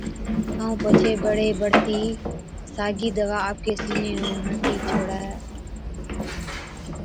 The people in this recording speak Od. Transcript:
ائُون پڇي بڙي بڙتِي ساگِي دَوا آپڪي سِيني نُون هڻتِي ڇوڙَي۔